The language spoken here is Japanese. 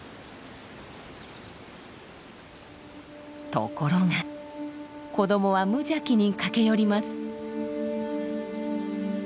ところが子どもは無邪気に駆け寄ります。